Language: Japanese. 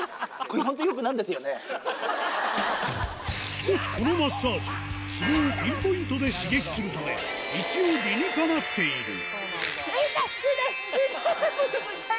しかしこのマッサージツボをピンポイントで刺激するため一応理にかなっている痛い！